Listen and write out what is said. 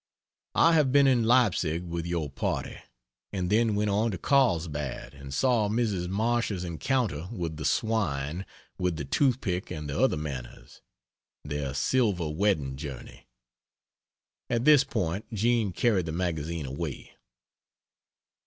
I have been in Leipzig with your party, and then went on to Karlsbad and saw Mrs. Marsh's encounter with the swine with the toothpick and the other manners ["Their Silver Wedding Journey."] At this point Jean carried the magazine away.